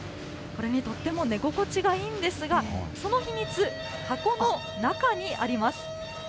これ、とっても寝心地がいいんですが、その秘密、箱の中にあります。